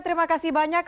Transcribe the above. terima kasih banyak